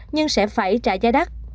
nhưng sẽ phải trả giá đắt